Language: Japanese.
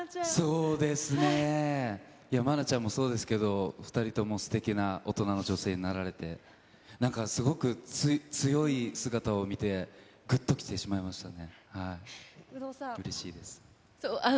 そうですね、ちゃんもそうですけど、２人ともすてきな大人の女性になられて、なんかすごく、強い姿を見て、ぐっと来てしまいましたね。